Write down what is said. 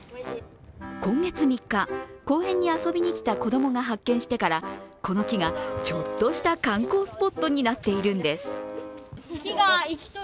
今月３日、公園に遊びにきた子供が発見してからこの木がちょっとした観光スポットになっているんです。